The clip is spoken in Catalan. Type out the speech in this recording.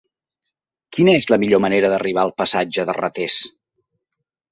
Quina és la millor manera d'arribar al passatge de Ratés?